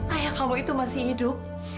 ayah kamu itu masih hidup